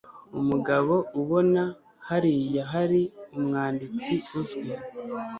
umugabo ubona hariya hari umwanditsi uzwi